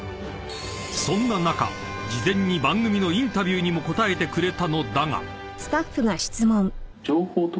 ［そんな中事前に番組のインタビューにも答えてくれたのだが］